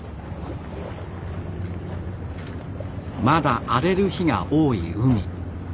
まだ荒れる日が多い海。